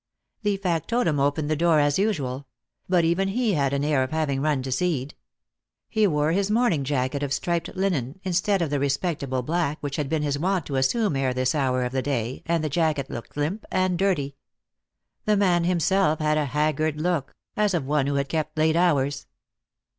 The factotum opened the door as usual ; but even he had an air of having run to seed. He wore his morning jacket of striped linen, instead of the respectable black which it had been his wont to assume ere this hour of the day, and the jacket looked limp and dirty. The man himself had a haggard look, as of one who had kept late hours.